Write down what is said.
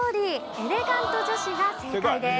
エレガント女子が正解です。